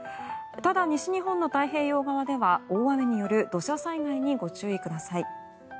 ただ、西日本の太平洋側では大雨による土砂災害にご注意ください。